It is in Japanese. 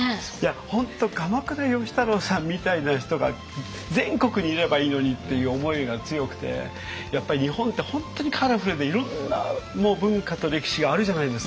本当鎌倉芳太郎さんみたいな人が全国にいればいいのにっていう思いが強くてやっぱり日本って本当にカラフルでいろんな文化と歴史があるじゃないですか。